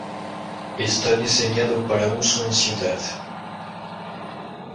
Está diseñado para uso en ciudad.